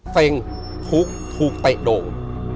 เซ็งคุกถูกเตะโด่ง